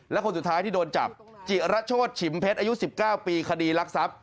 และคนสุดท้ายที่โดนจับจิระโชธฉิมเพชรอายุ๑๙ปีคดีรักทรัพย์